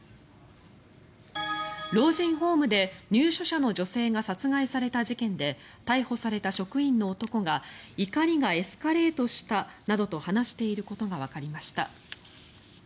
老人ホームで入所者の女性が殺害された事件で逮捕された職員の男が怒りがエスカレートしたなどと話していることがわかりました。